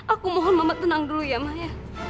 aku mohon mama tenang dulu ya ma ya